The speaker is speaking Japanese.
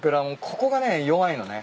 ここがね弱いのね。